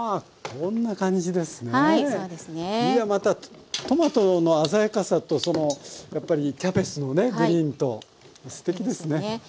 いやまたトマトの鮮やかさとやっぱりキャベツのねグリーンとすてきですね。